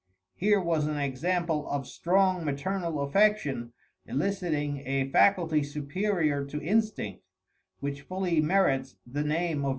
Here was an example of strong maternal affection eliciting a faculty superior to instinct, which fully merits the name of reason.